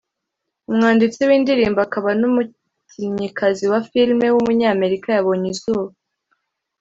umwanditsi w’indirimbo akaba n’umukinnyikazi wa film w’umunyamerika yabonye izuba